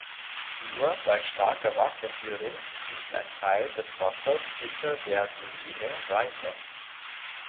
Nur bei starker Wasserführung fließt ein Teil des Wassers hinter der Doline weiter.